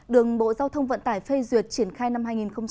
đường bộ giao thông vận tải phê duyệt triển khai năm hai nghìn một mươi chín